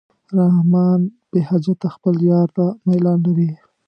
رحمان بېحجته خپل یار ته میلان لري.